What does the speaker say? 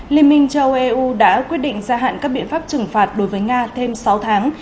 liên minh châu âu eu đã quyết định gia hạn các biện pháp trừng phạt đối với nga thêm sáu tháng